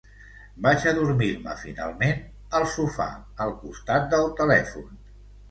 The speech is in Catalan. Vaig adormir-me, finalment, al sofà, al costat del telèfon.